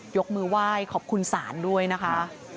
ยกมือไหว้ขอบคุณศาลด้วยนะคะ